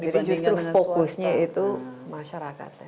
jadi justru fokusnya itu masyarakat ya